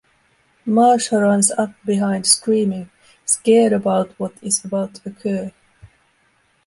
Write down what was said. Marcia runs up behind screaming, scared about what is about to occur.